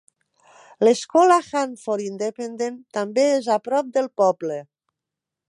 L'escola Hanford independent també és a prop del poble.